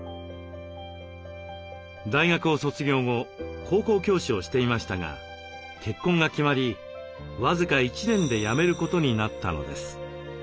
大学を卒業後高校教師をしていましたが結婚が決まり僅か１年でやめることになったのです。